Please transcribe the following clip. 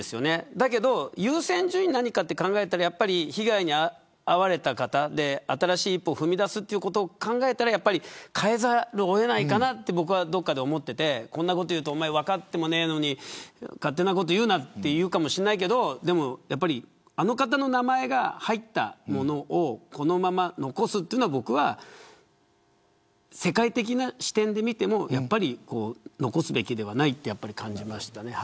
だけど、優先順位は何かと考えたらやっぱり被害に遭われた方で新しい一歩を踏み出すということを考えたら変えざるを得ないかなって僕はどこかで思っていてお前分かってもいないのに勝手なこと言うなって言われるかもしれないけどでも、やっぱりあの方の名前が入ったものをこのまま残すというのは世界的な視点で見てもやっぱり残すべきではないと感じましたね。